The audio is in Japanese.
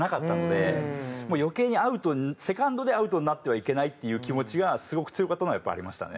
余計にアウトセカンドでアウトになってはいけないっていう気持ちがすごく強かったのはやっぱありましたね。